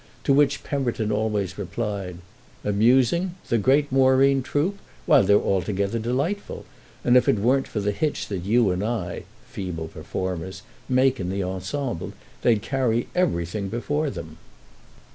To which Pemberton always replied: "Amusing—the great Moreen troupe? Why they're altogether delightful; and if it weren't for the hitch that you and I (feeble performers!) make in the ensemble they'd carry everything before them."